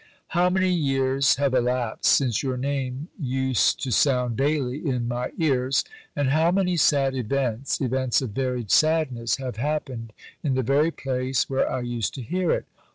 How many years have elapsed since your name used to sound daily in my ears, and how many sad events, events of varied sadness, have happened in the very place where I used to hear it!